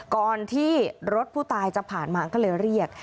ก่อนที่รถผู้ตายจะผ่านมาก็เลยเรียก